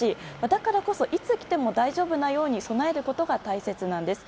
だからこそいつきても大丈夫なように備えることが大切なんです。